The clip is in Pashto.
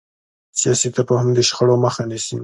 سیاسي تفاهم د شخړو مخه نیسي